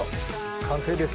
完成です。